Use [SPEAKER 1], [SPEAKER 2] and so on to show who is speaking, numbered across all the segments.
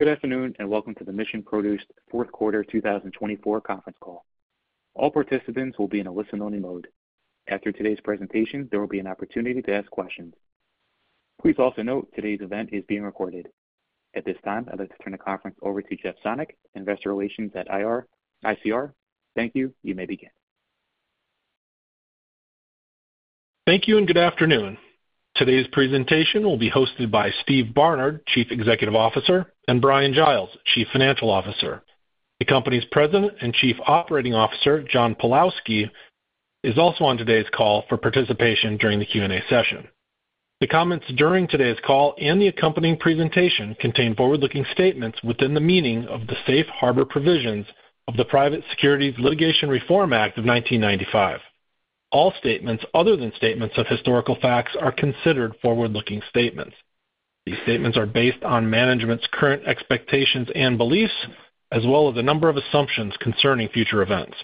[SPEAKER 1] Good afternoon and welcome to the Mission Produce 4th Quarter 2024 conference call. All participants will be in a listen-only mode. After today's presentation, there will be an opportunity to ask questions. Please also note today's event is being recorded. At this time, I'd like to turn the conference over to Jeff Sonnek, Investor Relations at ICR. Thank you. You may begin.
[SPEAKER 2] Thank you and good afternoon. Today's presentation will be hosted by Steve Barnard, Chief Executive Officer, and Bryan Giles, Chief Financial Officer. The company's President and Chief Operating Officer, John Pawlowski, is also on today's call for participation during the Q&A session. The comments during today's call and the accompanying presentation contain forward-looking statements within the meaning of the safe harbor provisions of the Private Securities Litigation Reform Act of 1995. All statements other than statements of historical facts are considered forward-looking statements. These statements are based on management's current expectations and beliefs, as well as a number of assumptions concerning future events.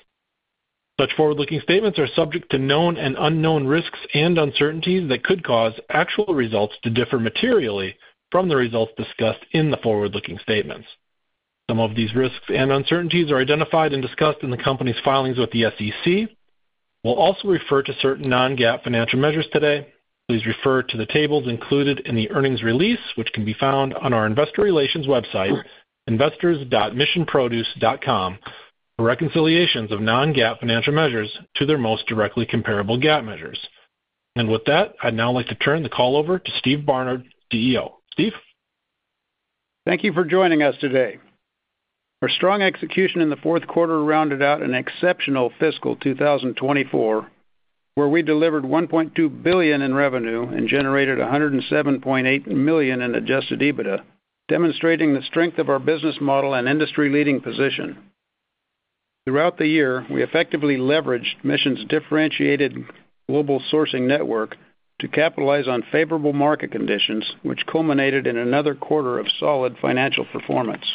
[SPEAKER 2] Such forward-looking statements are subject to known and unknown risks and uncertainties that could cause actual results to differ materially from the results discussed in the forward-looking statements. Some of these risks and uncertainties are identified and discussed in the company's filings with the SEC. We'll also refer to certain non-GAAP financial measures today. Please refer to the tables included in the earnings release, which can be found on our Investor Relations website, investors.missionproduce.com, for reconciliations of non-GAAP financial measures to their most directly comparable GAAP measures. With that, I'd now like to turn the call over to Steve Barnard, CEO. Steve?
[SPEAKER 3] Thank you for joining us today. Our strong execution in the fourth quarter rounded out an exceptional fiscal 2024, where we delivered $1.2 billion in revenue and generated $107.8 million in Adjusted EBITDA, demonstrating the strength of our business model and industry-leading position. Throughout the year, we effectively leveraged Mission's differentiated global sourcing network to capitalize on favorable market conditions, which culminated in another quarter of solid financial performance.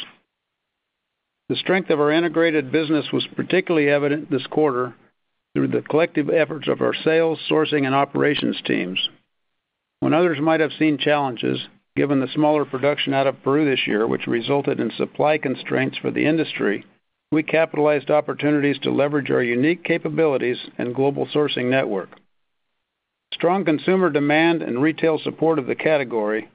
[SPEAKER 3] The strength of our integrated business was particularly evident this quarter through the collective efforts of our sales, sourcing, and operations teams. When others might have seen challenges, given the smaller production out of Peru this year, which resulted in supply constraints for the industry, we capitalized opportunities to leverage our unique capabilities and global sourcing network. Strong consumer demand and retail support of the category,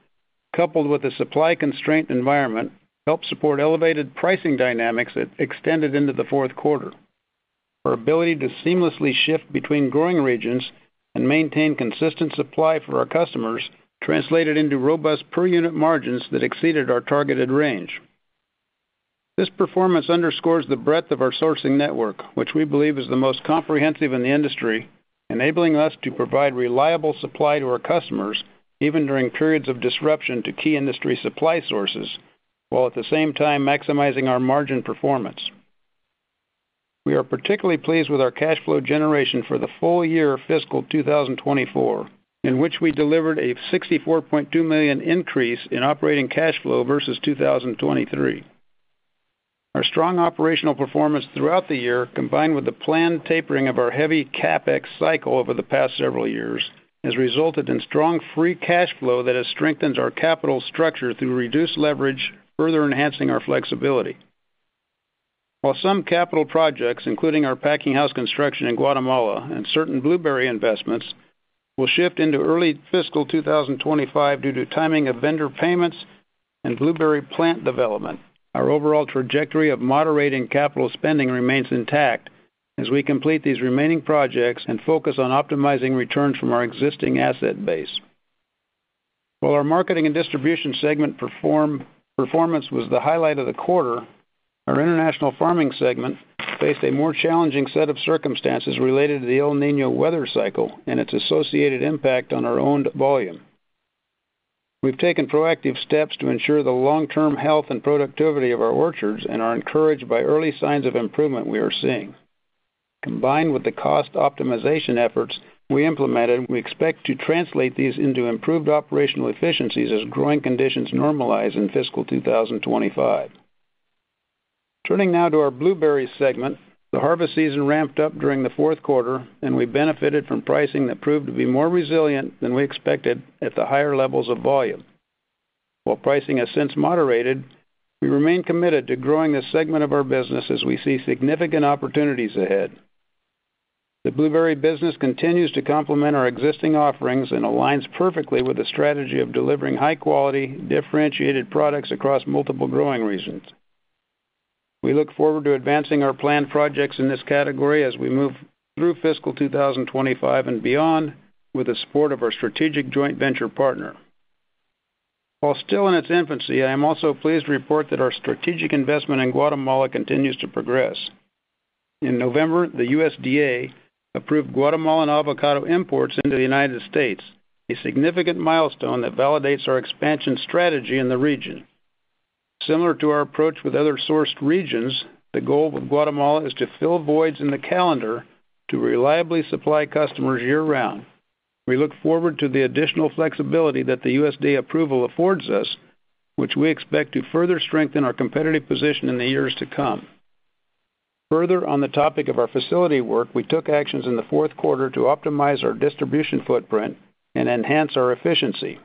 [SPEAKER 3] coupled with a supply-constrained environment, helped support elevated pricing dynamics that extended into the fourth quarter. Our ability to seamlessly shift between growing regions and maintain consistent supply for our customers translated into robust per-unit margins that exceeded our targeted range. This performance underscores the breadth of our sourcing network, which we believe is the most comprehensive in the industry, enabling us to provide reliable supply to our customers even during periods of disruption to key industry supply sources, while at the same time maximizing our margin performance. We are particularly pleased with our cash flow generation for the full year of fiscal 2024, in which we delivered a $64.2 million increase in operating cash flow versus 2023. Our strong operational performance throughout the year, combined with the planned tapering of our heavy CapEx cycle over the past several years, has resulted in strong free cash flow that has strengthened our capital structure through reduced leverage, further enhancing our flexibility. While some capital projects, including our packing house construction in Guatemala and certain blueberry investments, will shift into early fiscal 2025 due to timing of vendor payments and blueberry plant development, our overall trajectory of moderating capital spending remains intact as we complete these remaining projects and focus on optimizing returns from our existing asset base. While our marketing and distribution segment performance was the highlight of the quarter, our international farming segment faced a more challenging set of circumstances related to the El Niño weather cycle and its associated impact on our owned volume. We've taken proactive steps to ensure the long-term health and productivity of our orchards and are encouraged by early signs of improvement we are seeing. Combined with the cost optimization efforts we implemented, we expect to translate these into improved operational efficiencies as growing conditions normalize in fiscal 2025. Turning now to our blueberry segment, the harvest season ramped up during the fourth quarter, and we benefited from pricing that proved to be more resilient than we expected at the higher levels of volume. While pricing has since moderated, we remain committed to growing the segment of our business as we see significant opportunities ahead. The blueberry business continues to complement our existing offerings and aligns perfectly with the strategy of delivering high-quality, differentiated products across multiple growing regions. We look forward to advancing our planned projects in this category as we move through fiscal 2025 and beyond with the support of our strategic joint venture partner. While still in its infancy, I am also pleased to report that our strategic investment in Guatemala continues to progress. In November, the USDA approved Guatemalan avocado imports into the United States, a significant milestone that validates our expansion strategy in the region. Similar to our approach with other sourced regions, the goal of Guatemala is to fill voids in the calendar to reliably supply customers year-round. We look forward to the additional flexibility that the USDA approval affords us, which we expect to further strengthen our competitive position in the years to come. Further, on the topic of our facility work, we took actions in the fourth quarter to optimize our distribution footprint and enhance our efficiency.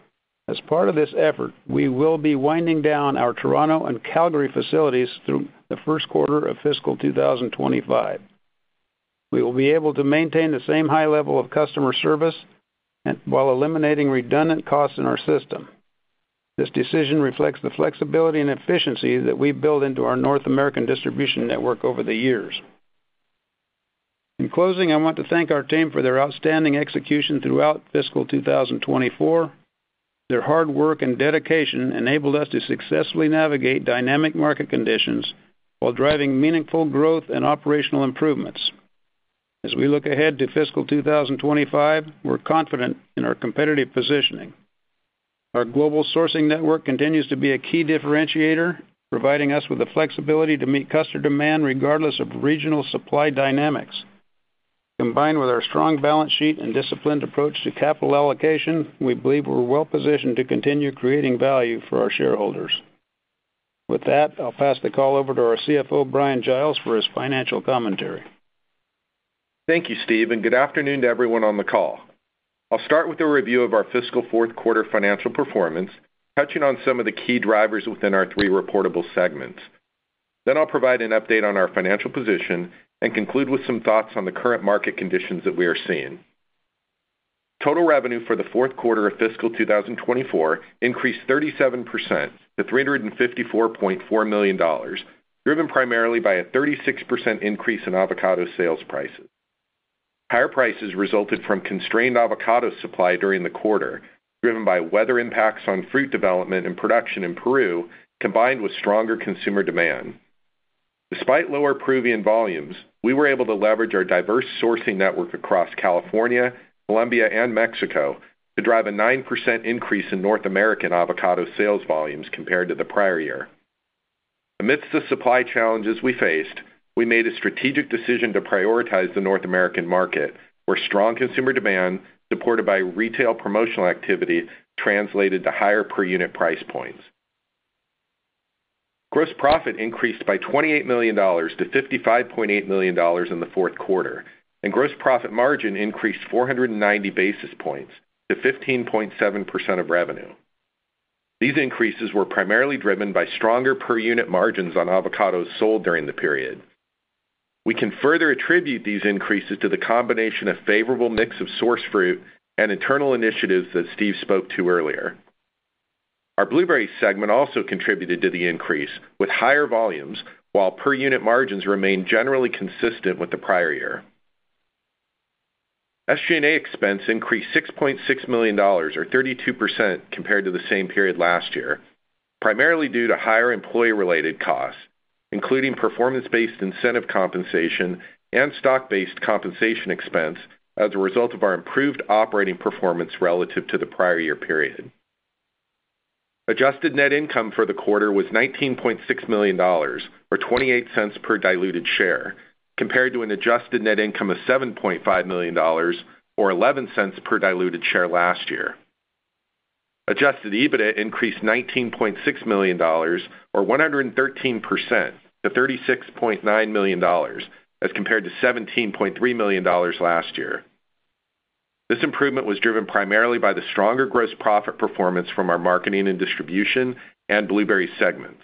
[SPEAKER 3] As part of this effort, we will be winding down our Toronto and Calgary facilities through the first quarter of fiscal 2025. We will be able to maintain the same high level of customer service while eliminating redundant costs in our system. This decision reflects the flexibility and efficiency that we've built into our North American distribution network over the years. In closing, I want to thank our team for their outstanding execution throughout fiscal 2024. Their hard work and dedication enabled us to successfully navigate dynamic market conditions while driving meaningful growth and operational improvements. As we look ahead to fiscal 2025, we're confident in our competitive positioning. Our global sourcing network continues to be a key differentiator, providing us with the flexibility to meet customer demand regardless of regional supply dynamics. Combined with our strong balance sheet and disciplined approach to capital allocation, we believe we're well-positioned to continue creating value for our shareholders. With that, I'll pass the call over to our CFO, Bryan Giles, for his financial commentary.
[SPEAKER 1] Thank you, Steve, and good afternoon to everyone on the call. I'll start with a review of our fiscal fourth quarter financial performance, touching on some of the key drivers within our three reportable segments. Then I'll provide an update on our financial position and conclude with some thoughts on the current market conditions that we are seeing. Total revenue for the fourth quarter of fiscal 2024 increased 37% to $354.4 million, driven primarily by a 36% increase in avocado sales prices. Higher prices resulted from constrained avocado supply during the quarter, driven by weather impacts on fruit development and production in Peru, combined with stronger consumer demand. Despite lower Peruvian volumes, we were able to leverage our diverse sourcing network across California, Colombia, and Mexico to drive a 9% increase in North American avocado sales volumes compared to the prior year. Amidst the supply challenges we faced, we made a strategic decision to prioritize the North American market, where strong consumer demand, supported by retail promotional activity, translated to higher per-unit price points. Gross profit increased by $28 million to $55.8 million in the fourth quarter, and gross profit margin increased 490 basis points to 15.7% of revenue. These increases were primarily driven by stronger per-unit margins on avocados sold during the period. We can further attribute these increases to the combination of a favorable mix of source fruit and internal initiatives that Steve spoke to earlier. Our blueberry segment also contributed to the increase, with higher volumes, while per-unit margins remained generally consistent with the prior year. SG&A expense increased $6.6 million, or 32%, compared to the same period last year, primarily due to higher employee-related costs, including performance-based incentive compensation and stock-based compensation expense as a result of our improved operating performance relative to the prior year period. Adjusted net income for the quarter was $19.6 million, or $0.28 per diluted share, compared to an adjusted net income of $7.5 million, or $0.11 per diluted share last year. Adjusted EBITDA increased $19.6 million, or 113%, to $36.9 million as compared to $17.3 million last year. This improvement was driven primarily by the stronger gross profit performance from our marketing and distribution and blueberry segments.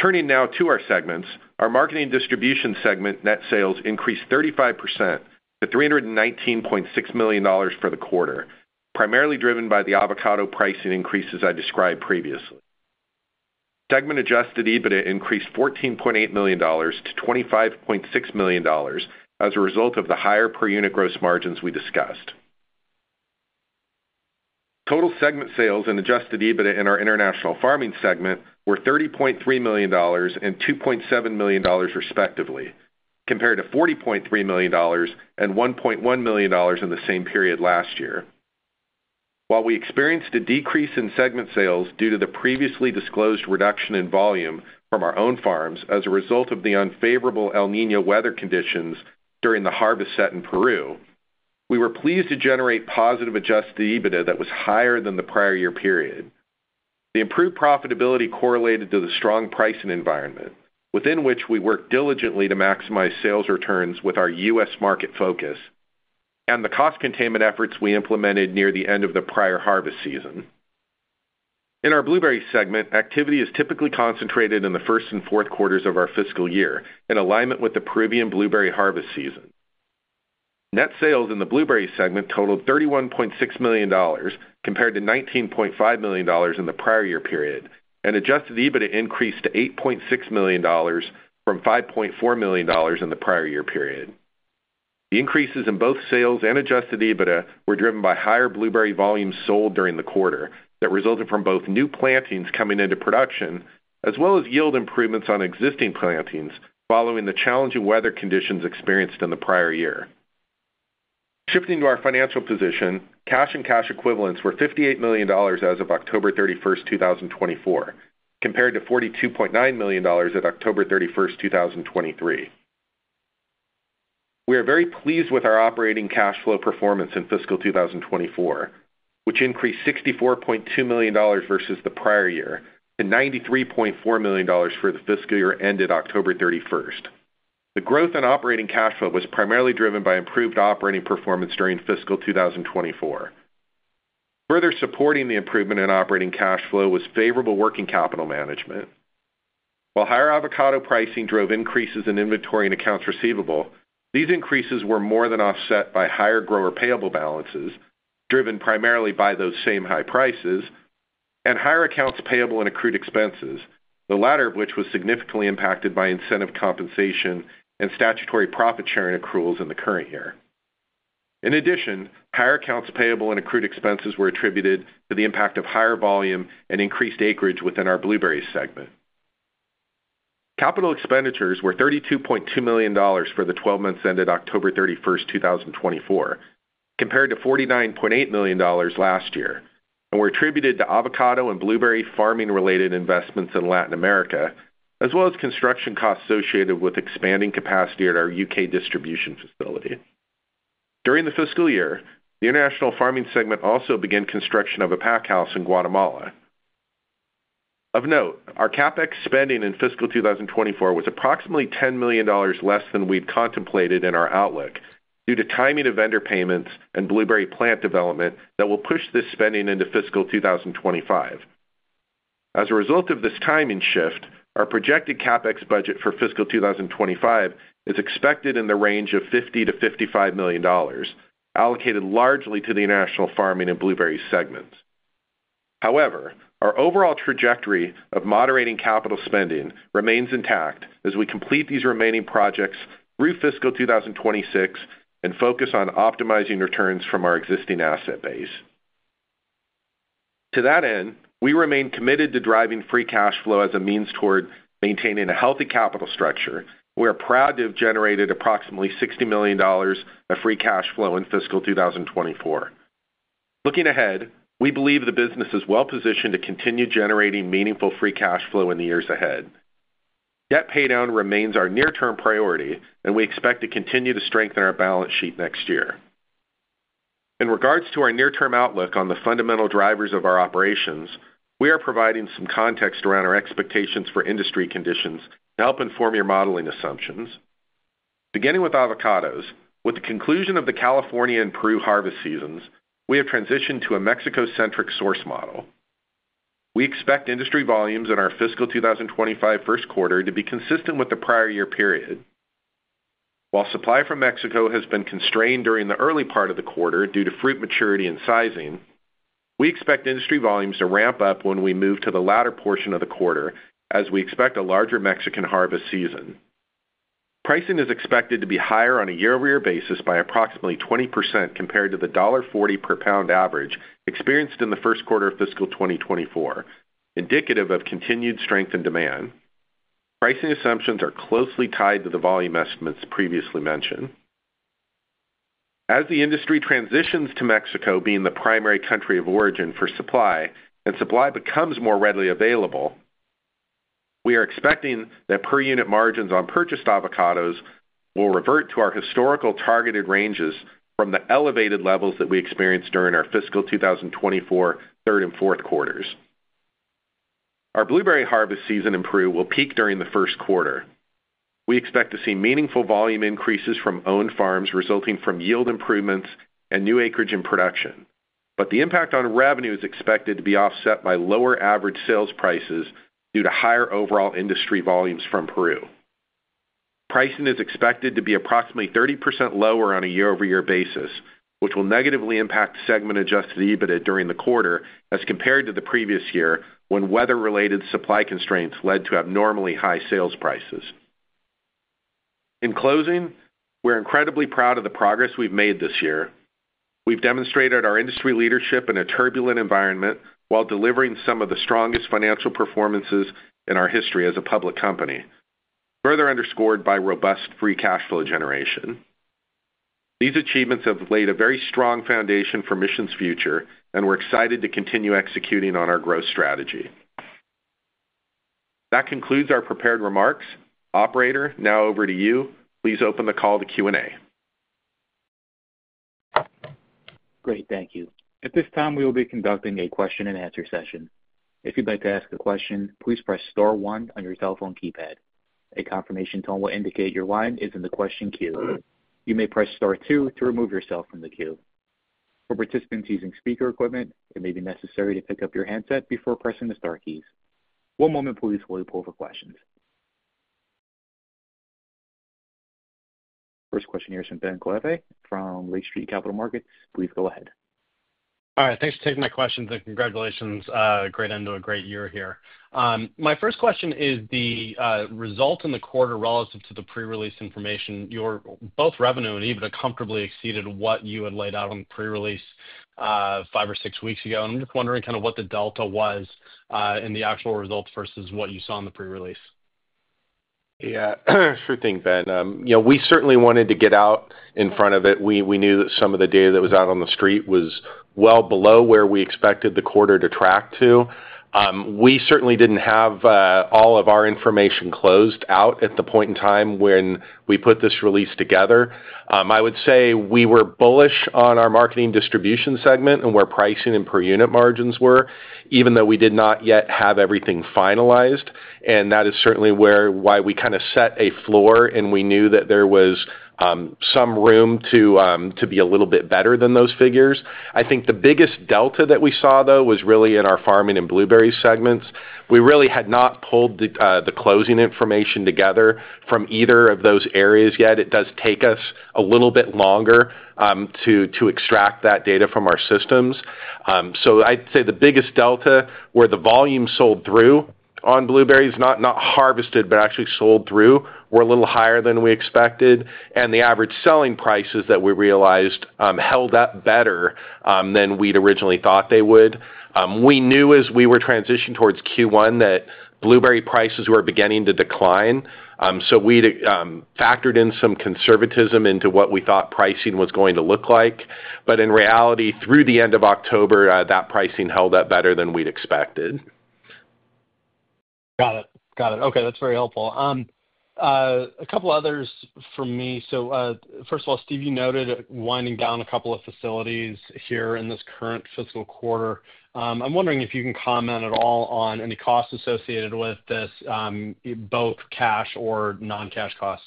[SPEAKER 1] Turning now to our segments, our marketing and distribution segment net sales increased 35% to $319.6 million for the quarter, primarily driven by the avocado pricing increases I described previously. Segment-adjusted EBITDA increased $14.8 million to $25.6 million as a result of the higher per-unit gross margins we discussed. Total segment sales and adjusted EBITDA in our international farming segment were $30.3 million and $2.7 million, respectively, compared to $40.3 million and $1.1 million in the same period last year. While we experienced a decrease in segment sales due to the previously disclosed reduction in volume from our own farms as a result of the unfavorable El Niño weather conditions during the harvest season in Peru, we were pleased to generate positive adjusted EBITDA that was higher than the prior year period. The improved profitability correlated to the strong pricing environment, within which we worked diligently to maximize sales returns with our U.S. market focus and the cost containment efforts we implemented near the end of the prior harvest season. In our blueberry segment, activity is typically concentrated in the first and fourth quarters of our fiscal year in alignment with the Peruvian blueberry harvest season. Net sales in the blueberry segment totaled $31.6 million compared to $19.5 million in the prior year period, and adjusted EBITDA increased to $8.6 million from $5.4 million in the prior year period. The increases in both sales and adjusted EBITDA were driven by higher blueberry volumes sold during the quarter that resulted from both new plantings coming into production, as well as yield improvements on existing plantings following the challenging weather conditions experienced in the prior year. Shifting to our financial position, cash and cash equivalents were $58 million as of October 31, 2024, compared to $42.9 million at October 31, 2023. We are very pleased with our operating cash flow performance in fiscal 2024, which increased $64.2 million versus the prior year to $93.4 million for the fiscal year ended October 31. The growth in operating cash flow was primarily driven by improved operating performance during fiscal 2024. Further supporting the improvement in operating cash flow was favorable working capital management. While higher avocado pricing drove increases in inventory and accounts receivable, these increases were more than offset by higher grower payable balances, driven primarily by those same high prices, and higher accounts payable and accrued expenses, the latter of which was significantly impacted by incentive compensation and statutory profit sharing accruals in the current year. In addition, higher accounts payable and accrued expenses were attributed to the impact of higher volume and increased acreage within our blueberry segment. Capital expenditures were $32.2 million for the 12 months ended October 31, 2024, compared to $49.8 million last year, and were attributed to avocado and blueberry farming-related investments in Latin America, as well as construction costs associated with expanding capacity at our U.K. distribution facility. During the fiscal year, the international farming segment also began construction of a packing house in Guatemala. Of note, our CapEx spending in fiscal 2024 was approximately $10 million less than we'd contemplated in our outlook due to timing of vendor payments and blueberry plant development that will push this spending into fiscal 2025. As a result of this timing shift, our projected CapEx budget for fiscal 2025 is expected in the range of $50-$55 million, allocated largely to the international farming and blueberry segments. However, our overall trajectory of moderating capital spending remains intact as we complete these remaining projects through fiscal 2026 and focus on optimizing returns from our existing asset base. To that end, we remain committed to driving free cash flow as a means toward maintaining a healthy capital structure. We are proud to have generated approximately $60 million of free cash flow in fiscal 2024. Looking ahead, we believe the business is well-positioned to continue generating meaningful free cash flow in the years ahead. Debt paydown remains our near-term priority, and we expect to continue to strengthen our balance sheet next year. In regards to our near-term outlook on the fundamental drivers of our operations, we are providing some context around our expectations for industry conditions to help inform your modeling assumptions. Beginning with avocados, with the conclusion of the California and Peru harvest seasons, we have transitioned to a Mexico-centric source model. We expect industry volumes in our fiscal 2025 first quarter to be consistent with the prior year period. While supply from Mexico has been constrained during the early part of the quarter due to fruit maturity and sizing, we expect industry volumes to ramp up when we move to the latter portion of the quarter, as we expect a larger Mexican harvest season. Pricing is expected to be higher on a year-over-year basis by approximately 20% compared to the $1.40 per pound average experienced in the first quarter of fiscal 2024, indicative of continued strength in demand. Pricing assumptions are closely tied to the volume estimates previously mentioned. As the industry transitions to Mexico being the primary country of origin for supply and supply becomes more readily available, we are expecting that per-unit margins on purchased avocados will revert to our historical targeted ranges from the elevated levels that we experienced during our fiscal 2024 third and fourth quarters. Our blueberry harvest season in Peru will peak during the first quarter. We expect to see meaningful volume increases from owned farms resulting from yield improvements and new acreage in production, but the impact on revenue is expected to be offset by lower average sales prices due to higher overall industry volumes from Peru. Pricing is expected to be approximately 30% lower on a year-over-year basis, which will negatively impact segment-adjusted EBITDA during the quarter as compared to the previous year when weather-related supply constraints led to abnormally high sales prices. In closing, we're incredibly proud of the progress we've made this year. We've demonstrated our industry leadership in a turbulent environment while delivering some of the strongest financial performances in our history as a public company, further underscored by robust free cash flow generation. These achievements have laid a very strong foundation for Mission's future, and we're excited to continue executing on our growth strategy. That concludes our prepared remarks. Operator, now over to you. Please open the call to Q&A.
[SPEAKER 4] Great. Thank you. At this time, we will be conducting a question-and-answer session. If you'd like to ask a question, please press star one on your cell phone keypad. A confirmation tone will indicate your line is in the question queue. You may press star two to remove yourself from the queue. For participants using speaker equipment, it may be necessary to pick up your handset before pressing the star keys. One moment, please, while we pull up the questions. First question here is from Ben Klieve from Lake Street Capital Markets. Please go ahead.
[SPEAKER 5] All right. Thanks for taking my questions, and congratulations. Great end to a great year here. My first question is the result in the quarter relative to the pre-release information. Your both revenue and EBITDA comfortably exceeded what you had laid out on the pre-release five or six weeks ago, and I'm just wondering kind of what the delta was in the actual results versus what you saw in the pre-release.
[SPEAKER 1] Yeah. Sure thing, Ben. We certainly wanted to get out in front of it. We knew that some of the data that was out on the street was well below where we expected the quarter to track to. We certainly didn't have all of our information closed out at the point in time when we put this release together. I would say we were bullish on our marketing distribution segment and where pricing and per-unit margins were, even though we did not yet have everything finalized. And that is certainly why we kind of set a floor, and we knew that there was some room to be a little bit better than those figures. I think the biggest delta that we saw, though, was really in our farming and blueberry segments. We really had not pulled the closing information together from either of those areas yet. It does take us a little bit longer to extract that data from our systems, so I'd say the biggest delta were the volume sold through on blueberries, not harvested, but actually sold through, were a little higher than we expected, and the average selling prices that we realized held up better than we'd originally thought they would. We knew as we were transitioning towards Q1 that blueberry prices were beginning to decline, so we factored in some conservatism into what we thought pricing was going to look like, but in reality, through the end of October, that pricing held up better than we'd expected.
[SPEAKER 5] Got it. Got it. Okay. That's very helpful. A couple others from me. So first of all, Steve, you noted winding down a couple of facilities here in this current fiscal quarter. I'm wondering if you can comment at all on any costs associated with this, both cash or non-cash costs.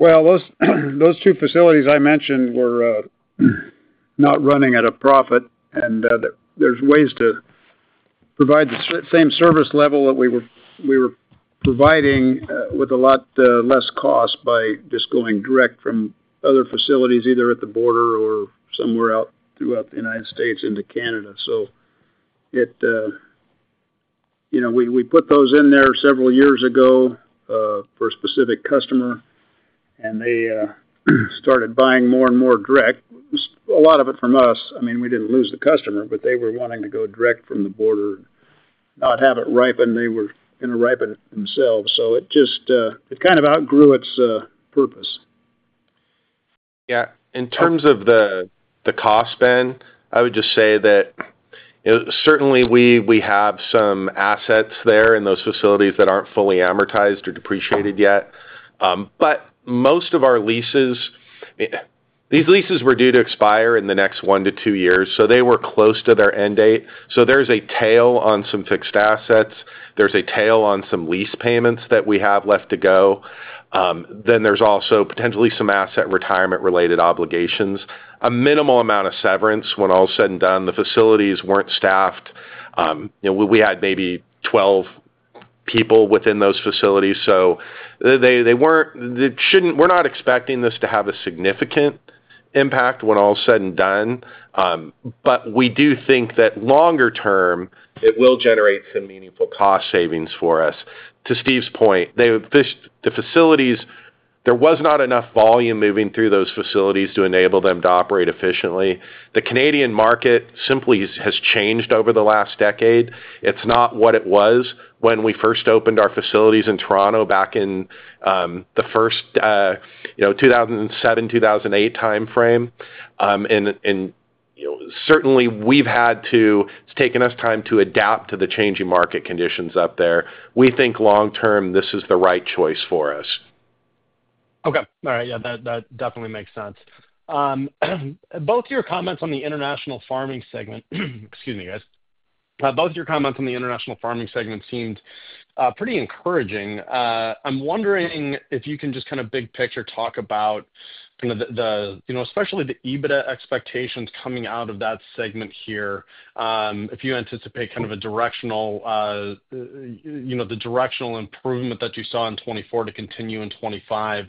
[SPEAKER 3] Those two facilities I mentioned were not running at a profit, and there's ways to provide the same service level that we were providing with a lot less cost by just going direct from other facilities, either at the border or somewhere out throughout the United States into Canada. We put those in there several years ago for a specific customer, and they started buying more and more direct, a lot of it from us. I mean, we didn't lose the customer, but they were wanting to go direct from the border, not have it ripen. They were going to ripen it themselves. It kind of outgrew its purpose.
[SPEAKER 1] Yeah. In terms of the cost, Ben, I would just say that certainly we have some assets there in those facilities that aren't fully amortized or depreciated yet. But most of our leases, these leases were due to expire in the next one to two years, so they were close to their end date. So there's a tail on some fixed assets. There's a tail on some lease payments that we have left to go. Then there's also potentially some asset retirement-related obligations. A minimal amount of severance when all's said and done. The facilities weren't staffed. We had maybe 12 people within those facilities. So we're not expecting this to have a significant impact when all's said and done. But we do think that longer term, it will generate some meaningful cost savings for us. To Steve's point, the facilities, there was not enough volume moving through those facilities to enable them to operate efficiently. The Canadian market simply has changed over the last decade. It's not what it was when we first opened our facilities in Toronto back in the first 2007, 2008 timeframe, and certainly, we've had to, it's taken us time to adapt to the changing market conditions up there. We think long-term, this is the right choice for us.
[SPEAKER 5] Okay. All right. Yeah. That definitely makes sense. Both your comments on the international farming segment, excuse me, guys, both your comments on the international farming segment seemed pretty encouraging. I'm wondering if you can just kind of big picture talk about kind of the, especially the EBITDA expectations coming out of that segment here, if you anticipate the directional improvement that you saw in 2024 to continue in 2025,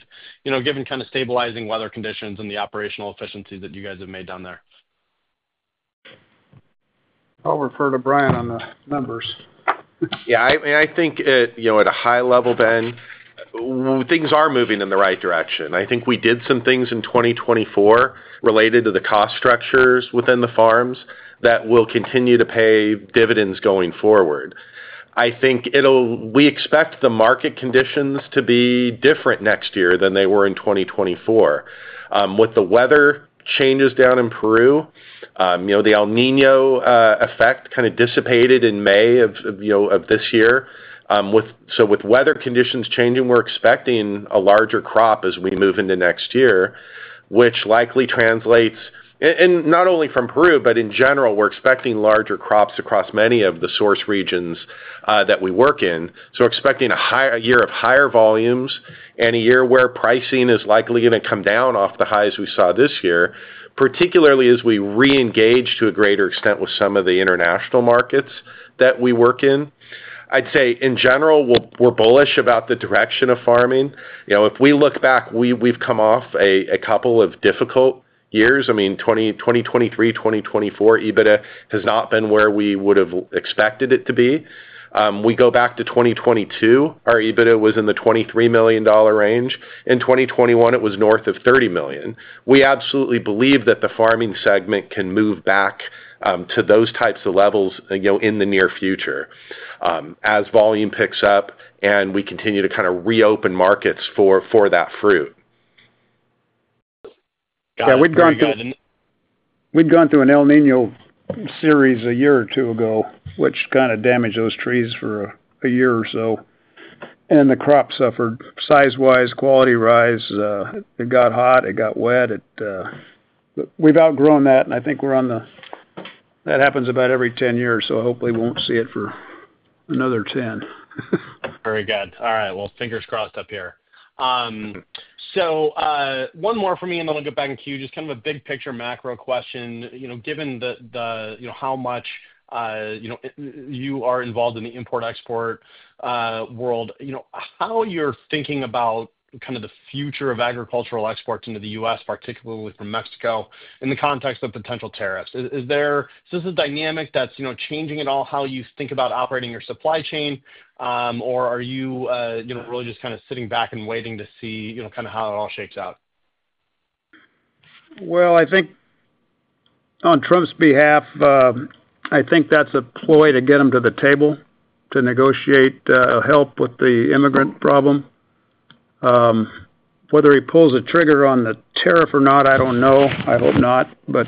[SPEAKER 5] given kind of stabilizing weather conditions and the operational efficiencies that you guys have made down there.
[SPEAKER 3] I'll refer to Bryan on the numbers.
[SPEAKER 1] Yeah. I think at a high level, Ben, things are moving in the right direction. I think we did some things in 2024 related to the cost structures within the farms that will continue to pay dividends going forward. I think we expect the market conditions to be different next year than they were in 2024. With the weather changes down in Peru, the El Niño effect kind of dissipated in May of this year. So with weather conditions changing, we're expecting a larger crop as we move into next year, which likely translates, and not only from Peru, but in general, we're expecting larger crops across many of the source regions that we work in. So we're expecting a year of higher volumes and a year where pricing is likely going to come down off the highs we saw this year, particularly as we re-engage to a greater extent with some of the international markets that we work in. I'd say, in general, we're bullish about the direction of farming. If we look back, we've come off a couple of difficult years. I mean, 2023, 2024, EBITDA has not been where we would have expected it to be. We go back to 2022, our EBITDA was in the $23 million range. In 2021, it was north of $30 million. We absolutely believe that the farming segment can move back to those types of levels in the near future as volume picks up and we continue to kind of reopen markets for that fruit.
[SPEAKER 3] Yeah. We'd gone through an El Niño series a year or two ago, which kind of damaged those trees for a year or so. And the crop suffered size-wise, quality-wise. It got hot, it got wet. We've outgrown that, and I think we're on the, that happens about every 10 years, so hopefully we won't see it for another 10.
[SPEAKER 5] Very good. All right. Well, fingers crossed up here. So one more from me, and then I'll get back into you. Just kind of a big picture macro question. Given how much you are involved in the import-export world, how you're thinking about kind of the future of agricultural exports into the U.S., particularly from Mexico, in the context of potential tariffs? Is this a dynamic that's changing at all how you think about operating your supply chain, or are you really just kind of sitting back and waiting to see kind of how it all shakes out?
[SPEAKER 3] I think on Trump's behalf, I think that's a ploy to get him to the table to negotiate help with the immigrant problem. Whether he pulls a trigger on the tariff or not, I don't know. I hope not. But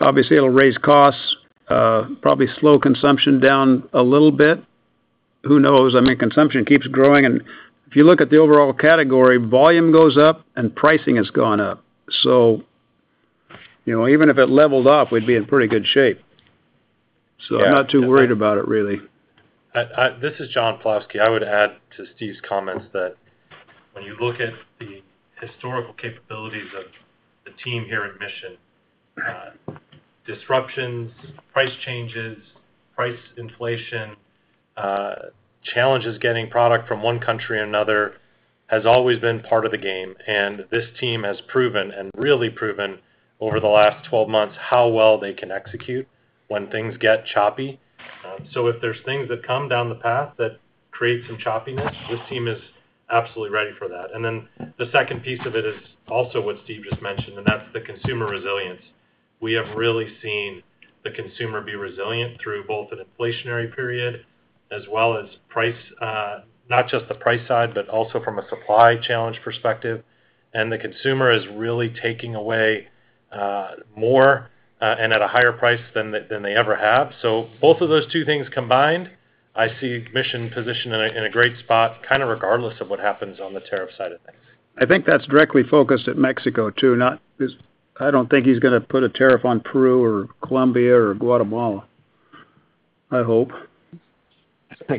[SPEAKER 3] obviously, it'll raise costs, probably slow consumption down a little bit. Who knows? I mean, consumption keeps growing. And if you look at the overall category, volume goes up and pricing has gone up. So even if it leveled off, we'd be in pretty good shape. So I'm not too worried about it, really.
[SPEAKER 6] This is John Pawlowski. I would add to Steve's comments that when you look at the historical capabilities of the team here in Mission, disruptions, price changes, price inflation, challenges getting product from one country to another has always been part of the game, and this team has proven, and really proven over the last 12 months, how well they can execute when things get choppy, so if there's things that come down the path that create some choppiness, this team is absolutely ready for that, and then the second piece of it is also what Steve just mentioned, and that's the consumer resilience. We have really seen the consumer be resilient through both an inflationary period as well as price, not just the price side, but also from a supply challenge perspective, and the consumer is really taking away more and at a higher price than they ever have. So both of those two things combined, I see Mission positioned in a great spot kind of regardless of what happens on the tariff side of things.
[SPEAKER 3] I think that's directly focused at Mexico too. I don't think he's going to put a tariff on Peru or Colombia or Guatemala. I hope.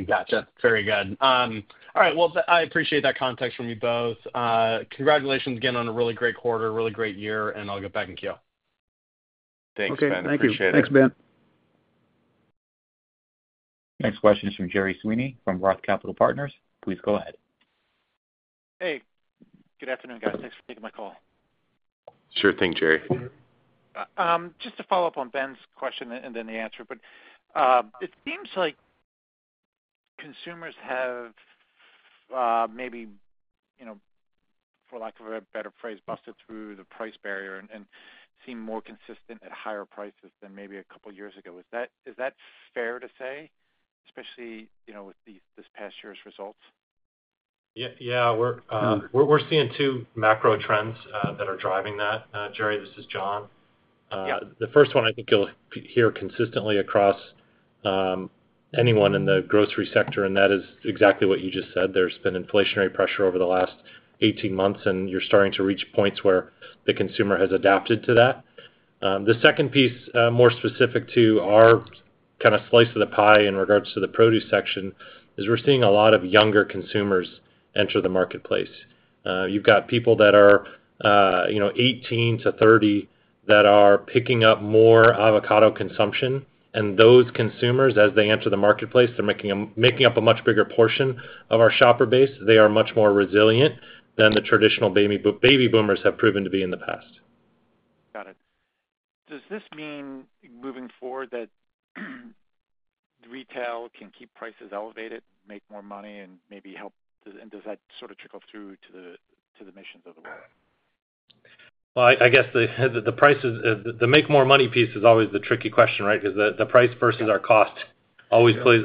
[SPEAKER 5] Gotcha. Very good. All right. Well, I appreciate that context from you both. Congratulations again on a really great quarter, really great year, and I'll get back in the queue.
[SPEAKER 6] Thanks, Ben. Appreciate it.
[SPEAKER 3] Thanks, Ben.
[SPEAKER 4] Next question is from Gerry Sweeney from Roth Capital Partners. Please go ahead.
[SPEAKER 7] Hey. Good afternoon, guys. Thanks for taking my call.
[SPEAKER 1] Sure thing, Gerry.
[SPEAKER 7] Just to follow up on Ben's question and then the answer, but it seems like consumers have maybe, for lack of a better phrase, busted through the price barrier and seem more consistent at higher prices than maybe a couple of years ago. Is that fair to say, especially with this past year's results?
[SPEAKER 6] Yeah. We're seeing two macro trends that are driving that. Gerry, this is John. The first one, I think you'll hear consistently across anyone in the grocery sector, and that is exactly what you just said. There's been inflationary pressure over the last 18 months, and you're starting to reach points where the consumer has adapted to that. The second piece, more specific to our kind of slice of the pie in regards to the produce section, is we're seeing a lot of younger consumers enter the marketplace. You've got people that are 18 to 30 that are picking up more avocado consumption. And those consumers, as they enter the marketplace, they're making up a much bigger portion of our shopper base. They are much more resilient than the traditional baby boomers have proven to be in the past.
[SPEAKER 7] Got it. Does this mean moving forward that retail can keep prices elevated, make more money, and maybe help? And does that sort of trickle through to the Mission's of the world?
[SPEAKER 6] I guess the price, the make-more-money piece is always the tricky question, right? Because the price versus our cost always plays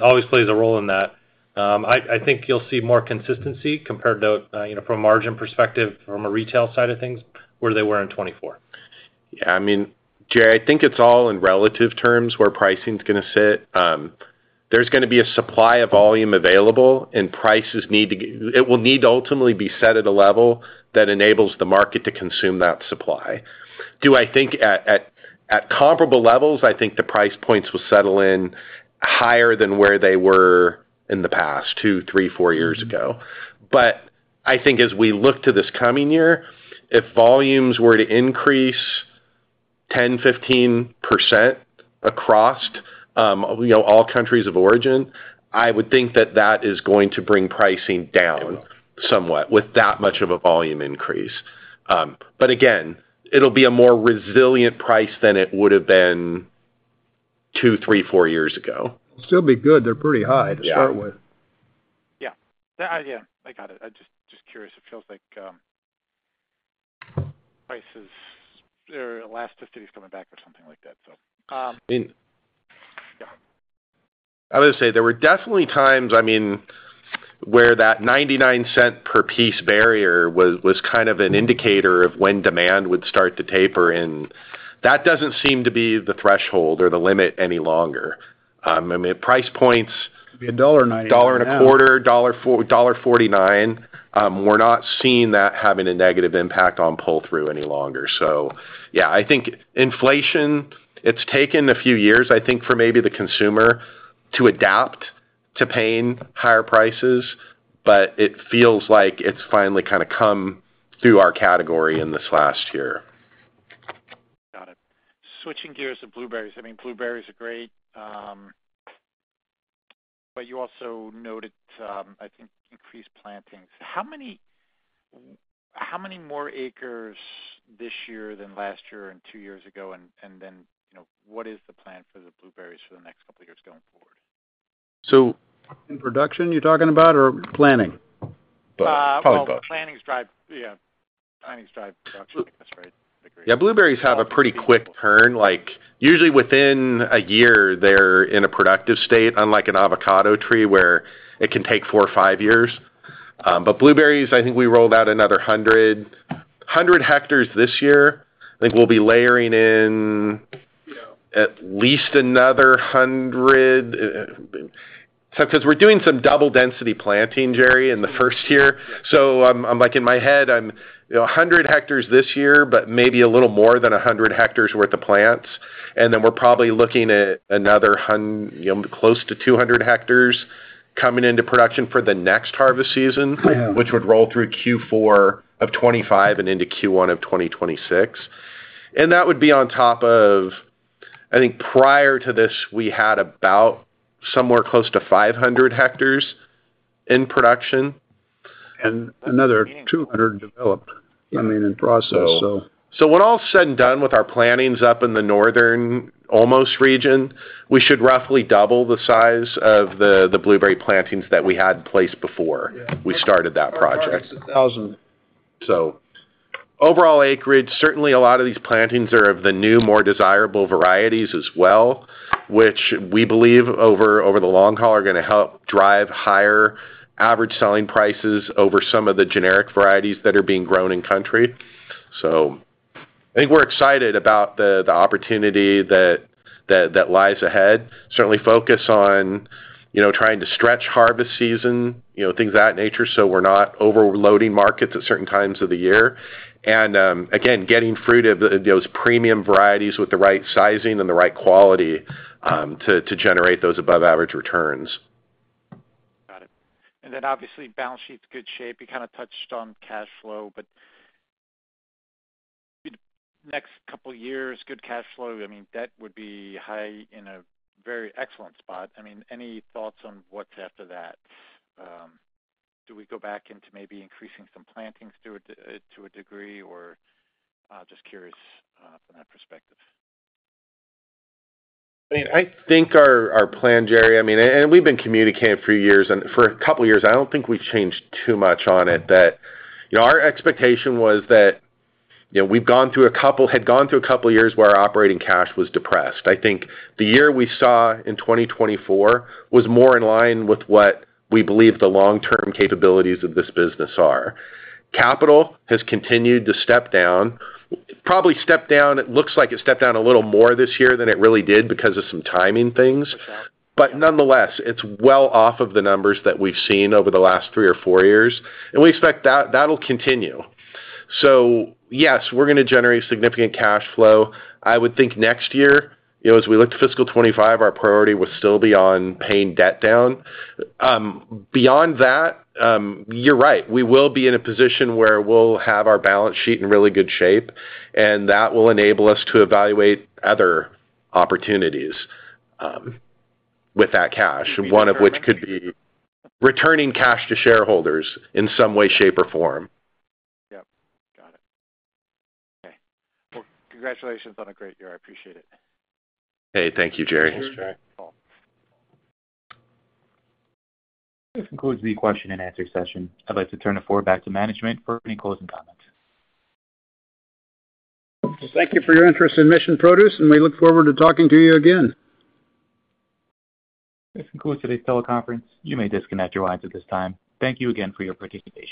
[SPEAKER 6] a role in that. I think you'll see more consistency compared to, from a margin perspective, from a retail side of things, where they were in 2024.
[SPEAKER 1] Yeah. I mean, Gerry, I think it's all in relative terms where pricing is going to sit. There's going to be a supply of volume available, and prices need to. It will need to ultimately be set at a level that enables the market to consume that supply. Do I think at comparable levels? I think the price points will settle in higher than where they were in the past two, three, four years ago. But I think as we look to this coming year, if volumes were to increase 10%-15% across all countries of origin, I would think that that is going to bring pricing down somewhat with that much of a volume increase. But again, it'll be a more resilient price than it would have been two, three, four years ago. They'll still be good. They're pretty high to start with.
[SPEAKER 7] Yeah. Yeah. Yeah. I got it. I'm just curious. It feels like prices, their elasticity is coming back or something like that, so.
[SPEAKER 3] I mean, I was going to say there were definitely times, I mean, where that $0.99 per piece barrier was kind of an indicator of when demand would start to taper. And that doesn't seem to be the threshold or the limit any longer. I mean, price points. Could be $1.99. $1.25, $1.49. We're not seeing that having a negative impact on pull-through any longer. So yeah, I think inflation, it's taken a few years, I think, for maybe the consumer to adapt to paying higher prices, but it feels like it's finally kind of come through our category in this last year.
[SPEAKER 7] Got it. Switching gears to blueberries. I mean, blueberries are great, but you also noted, I think, increased plantings. How many more acres this year than last year and two years ago? And then what is the plan for the blueberries for the next couple of years going forward?
[SPEAKER 3] In production, you're talking about, or planning?
[SPEAKER 7] Probably both. Planning's drive, yeah. Planning's drive production like this, right?
[SPEAKER 3] Yeah. Blueberries have a pretty quick turn. Usually, within a year, they're in a productive state, unlike an avocado tree where it can take four or five years. But blueberries, I think we rolled out another 100 hectares this year. I think we'll be layering in at least another 100 because we're doing some double-density planting, Gerry, in the first year. So in my head, 100 hectares this year, but maybe a little more than 100 hectares worth of plants. And then we're probably looking at another close to 200 hectares coming into production for the next harvest season, which would roll through Q4 of 2025 and into Q1 of 2026. And that would be on top of, I think prior to this, we had about somewhere close to 500 hectares in production. Another 200 developed, I mean, in process, so. So when all's said and done with our plantings up in the northernmost region, we should roughly double the size of the blueberry plantings that we had in place before we started that project. So overall acreage, certainly a lot of these plantings are of the new, more desirable varieties as well, which we believe over the long haul are going to help drive higher average selling prices over some of the generic varieties that are being grown in country. So I think we're excited about the opportunity that lies ahead. Certainly focus on trying to stretch harvest season, things of that nature so we're not overloading markets at certain times of the year. And again, getting fruit of those premium varieties with the right sizing and the right quality to generate those above-average returns.
[SPEAKER 7] Got it. Then obviously, balance sheet's in good shape. You kind of touched on cash flow, but in the next couple of years, good cash flow, I mean, debt would be low in a very excellent spot. I mean, any thoughts on what's after that? Do we go back into maybe increasing some plantings to a degree or I'm just curious from that perspective?
[SPEAKER 1] I mean, I think our plan, Gerry. I mean, and we've been communicating for years. And for a couple of years, I don't think we've changed too much on it. Our expectation was that we've gone through a couple, had gone through a couple of years where our operating cash was depressed. I think the year we saw in 2024 was more in line with what we believe the long-term capabilities of this business are. CapEx has continued to step down. Probably stepped down, it looks like it stepped down a little more this year than it really did because of some timing things. But nonetheless, it's well off of the numbers that we've seen over the last three or four years. And we expect that'll continue. So yes, we're going to generate significant cash flow. I would think next year, as we look to fiscal 2025, our priority will still be on paying debt down. Beyond that, you're right. We will be in a position where we'll have our balance sheet in really good shape, and that will enable us to evaluate other opportunities with that cash, one of which could be returning cash to shareholders in some way, shape, or form.
[SPEAKER 7] Yep. Got it. Okay. Congratulations on a great year. I appreciate it.
[SPEAKER 1] Hey, thank you, Gerry.
[SPEAKER 7] Thanks, Gerry.
[SPEAKER 4] This concludes the question and answer session. I'd like to turn the floor back to management for any closing comments.
[SPEAKER 3] Thank you for your interest in Mission Produce, and we look forward to talking to you again.
[SPEAKER 4] This concludes today's teleconference. You may disconnect your lines at this time. Thank you again for your participation.